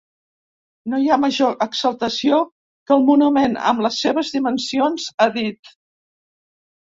No hi ha major exaltació que el monument, amb les seves dimensions, ha dit.